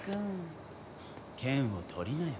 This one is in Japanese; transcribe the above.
剣を取りなよ